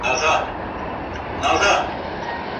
هغه باید په خپله ټولنه کي د تصمیمونو د رانیولو حق ولري.